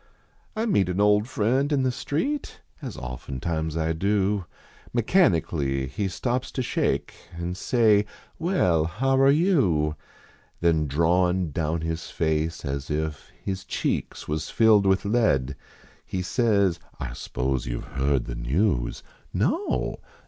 I meet an old friend in the street, As oftentimes I do, Mechanically he stops to shake An say :" Well, how are you ?" Then drawin down his face, as if His cheeks was filled with lead, He says :" I spose you ve heard the news: " No